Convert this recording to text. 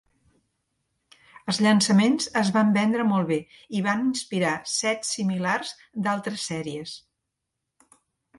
Els llançaments es van vendre molt bé i van inspirar sets similars d'altres sèries.